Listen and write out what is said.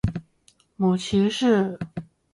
母齐氏。